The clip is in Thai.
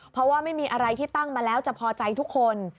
เพราะว่าไม่มีอะไรที่ตั้งมาแล้วจะพอใจทุกคน